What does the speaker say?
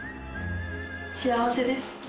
幸せです。